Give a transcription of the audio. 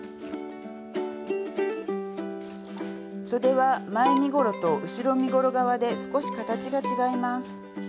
そでは前身ごろと後ろ身ごろ側で少し形が違います。